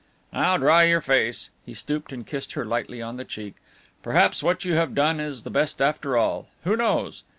"Now, dry your face." He stooped and kissed her lightly on the cheek. "Perhaps what you have done is the best after all. Who knows?